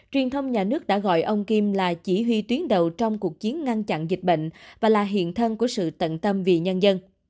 truyền thông nhà nước đã gọi ông kim là chỉ huy tuyến đầu trong cuộc chiến ngăn chặn dịch bệnh và là hiện thân của sự tận tâm vì nhân dân